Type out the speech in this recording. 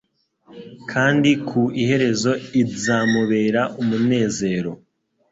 kandi ku iherezo ldzamubera umunezero.